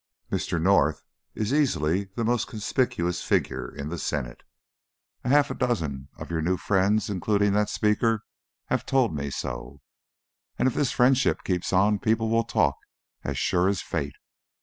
Mr. North is easily the most conspicuous figure in the Senate a half dozen of your new friends, including that Speaker, have told me so and if this friendship keeps on people will talk, as sure as fate.